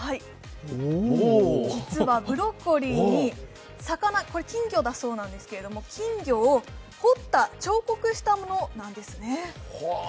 実はブロッコリーに魚、これ金魚だそうですが、金魚を彫った彫刻したものなんですね。